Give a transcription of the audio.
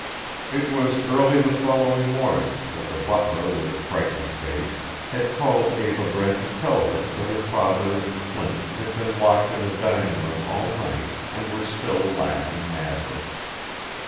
It was early the following morning that the butler with frightened face had called Eva Brent to tell her that her father and Flint had been locked in the dining room all night and were still laughing madly.